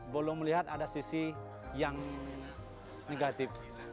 belum melihat ada sisi yang negatif